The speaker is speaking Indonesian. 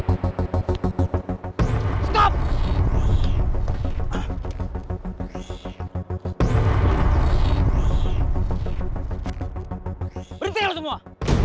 terlalu banyak lo semua